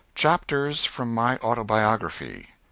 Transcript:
CHAPTERS FROM MY AUTOBIOGRAPHY.